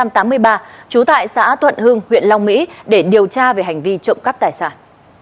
trú tại xã tuận hương huyện long mỹ để điều tra về hành vi trộm cắp tài sản